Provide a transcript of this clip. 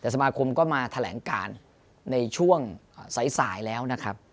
แต่สมาคมก็มาแถลงการในช่วงสายแล้วนะครับ